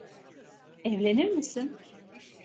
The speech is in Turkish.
Evlenir misin?